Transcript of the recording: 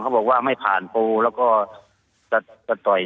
เขาบอกว่าไม่ผ่านโพลแล้วก็จะต่อยซุปอะไรเนี่ย